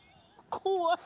怖い！